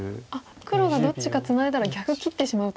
黒がどっちかツナいだら逆切ってしまうと。